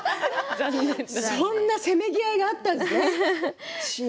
せめぎ合いがあったんですね。